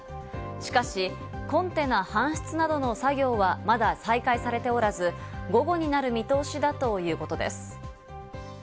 しかし、コンテナ搬出などの作業はまだ再開されておらず、午後になる見通しだということです。